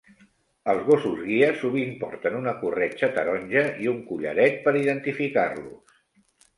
Els gossos guia sovint porten una corretja taronja i un collaret per identificar-los.